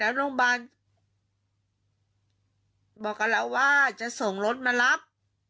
แล้วโรงพยาบาลบอกกับเราว่าจะส่งรถมารับ